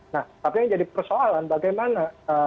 nah tapi yang jadi persoalan bagaimana